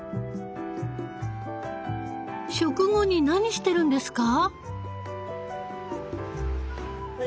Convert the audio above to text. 食後に何してるんですか？